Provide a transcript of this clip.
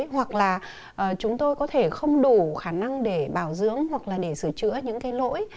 hoặc là chúng tôi có thể không đủ khả năng để bảo dưỡng hoặc là để sửa chữa những cái lỗi